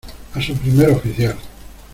a su primer oficial.